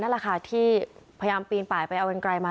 นั่นแหละค่ะที่พยายามปีนปล่อยไปเอาเวรไกรมา